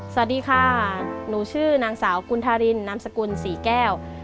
สวัสดีค่ะหนูชื่อนางสาวกุณธารินนามสกุลศรีแก้ว